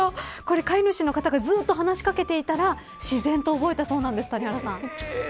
飼い主の方がずっと話しかけていたら自然とそうなの。